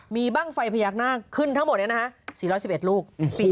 มีบ้างไฟพยากนางขึ้นทั้งหมดเนี่ยนะฮะ๔๑๑ลูก